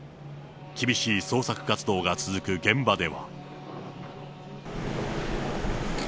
厳しい捜索活動が続く現場では。